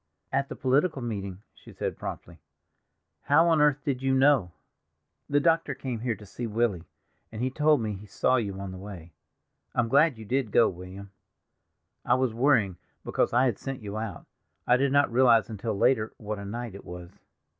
"At the political meeting," she said promptly. "How on earth did you know?" "The doctor came here to see Willy, and he told me he saw you on the way. I'm glad you did go, William; I was worrying because I had sent you out; I did not realize until later what a night it was."